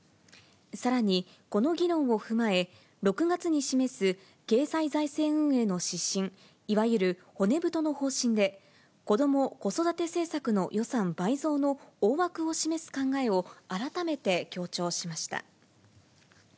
さらにこの議論を踏まえ、６月に示す経済財政運営の指針、いわゆる骨太の方針で、子ども・子育て政策の予算倍増の大枠を示す考えを改めて強調しました。